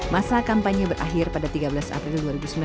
masa kampanye berakhir pada tiga belas april dua ribu sembilan belas